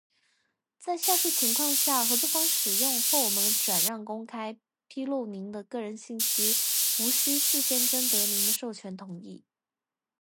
在下述情况下，合作方使用，或我们转让、公开披露您的个人信息无需事先征得您的授权同意：